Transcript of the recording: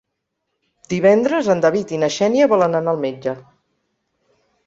Divendres en David i na Xènia volen anar al metge.